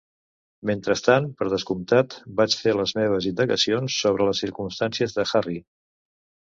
Mentrestant, per descomptat, vaig fer les meves indagacions sobre les circumstàncies de Harry.